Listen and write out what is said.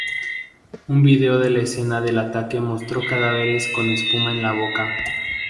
Un vídeo de la escena del ataque mostró cadáveres con espuma en la boca.